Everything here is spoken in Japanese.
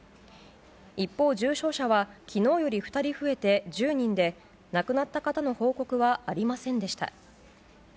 一方、重症者は昨日より２人増えて１０人で亡くなった方の報告はありませんでした。